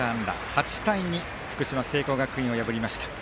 ８対２、福島・聖光学院を破りました。